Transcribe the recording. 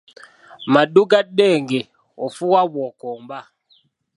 Maddu ga ddenge ofuuwa bw’okomba.